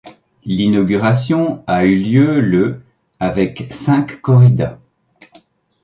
L'inauguration a eu lieu le avec cinq corridas.